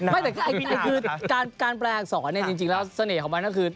ไม่แต่การแปลอักษรจริงแล้วเสน่ห์ของมันก็คือ